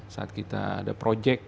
saat kita ada project